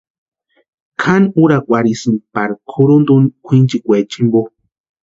Kʼani úrakwarhisïnti pari kʼurhunta úni kwʼinchekwa jimpo.